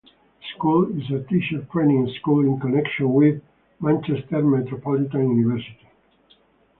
The school is a teacher training school in connection with Manchester Metropolitan University.